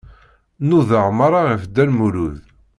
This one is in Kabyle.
Nudaɣ meṛṛa ɣef Dda Lmulud.